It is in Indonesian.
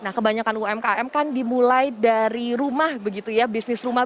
nah kebanyakan umkm kan dimulai dari rumah begitu ya bisnis rumah